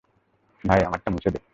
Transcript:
ভাই, আমারটা মুছে দে।